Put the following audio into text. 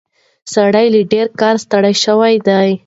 سړی له ډېر کاره ستړی شوی دی.